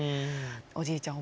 おじいちゃん